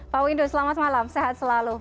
pak windu selamat malam sehat selalu